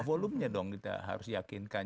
volume nya dong kita harus yakinkan